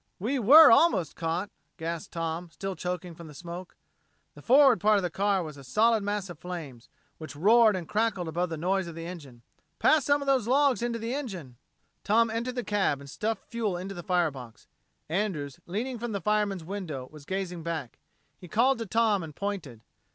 "We were almost caught," gasped Tom, still choking from the smoke. The forward part of the car was a solid mass of flames, which roared and crackled above the noise of the engine. "Pass some of those logs into the engine!" Tom entered the cab and stuffed fuel into the fire box. Andrews, leaning from the fireman's window, was gazing back. He called to Tom and pointed.